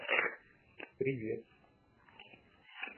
Expansions to higher orders in the density are known as virial expansions.